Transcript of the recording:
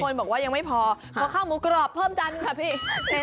คนบอกว่ายังไม่พอหัวข้าวหมูกรอบเพิ่มจันทร์ค่ะพี่